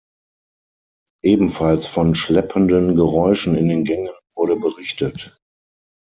Ebenfalls von schleppenden Geräuschen in den Gängen wurde berichtet.